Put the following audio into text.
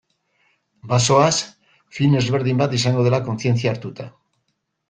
Bazoaz, film ezberdin bat izango dela kontzientzia hartuta.